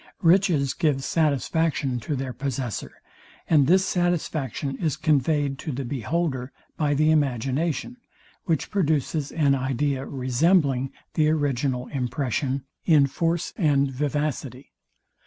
Riches give satisfaction to their possessor; and this satisfaction is conveyed to the beholder by the imagination, which produces an idea resembling the original impression in force and vivacity.